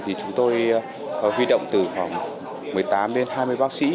thì chúng tôi huy động từ khoảng một mươi tám đến hai mươi bác sĩ